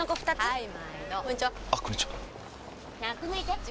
はい。